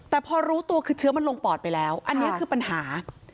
แต่พอรู้ตัวคือเชื้อมันลงปอดไปแล้วอันนี้คือปัญหา